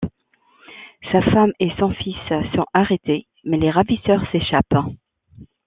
Sa femme et son fils sont arrêtés, mais les ravisseurs s'échappent.